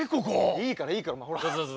いいからいいからお前ほら。